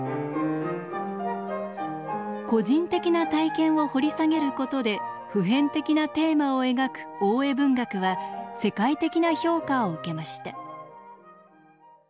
個人的な体験を掘り下げることで普遍的なテーマを描く大江文学は世界的な評価を受けました。